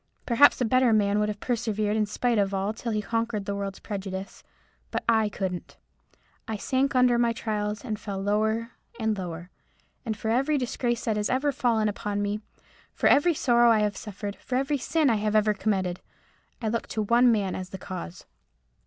Perhaps a better man might have persevered in spite of all till he conquered the world's prejudice. But I couldn't. I sank under my trials, and fell lower and lower. And for every disgrace that has ever fallen upon me—for every sorrow I have ever suffered—for every sin I have ever committed—I look to one man as the cause."